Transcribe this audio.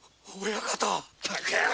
親方？